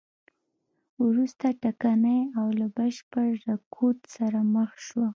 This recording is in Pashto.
وروسته ټکنۍ او له بشپړ رکود سره مخ شوه.